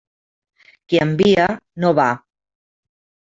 Qui envia, no va.